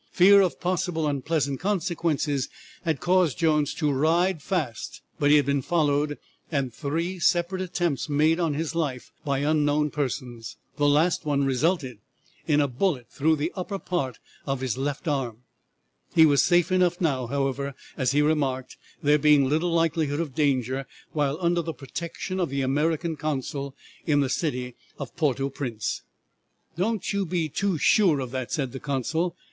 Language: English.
Fear of possible unpleasant consequences had caused Jones to ride fast, but he had been followed and three separate attempts made on his life by unknown persons. The last one resulted in a bullet through the upper part of the left arm. He was safe enough now, however, as he remarked, there being little likelihood of danger while under the protection of the American consul in the city of Porto Prince. "Don't you be too sure of that," said the consul.